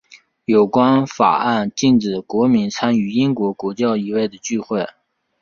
有关法案禁止国民参与英国国教以外的聚会。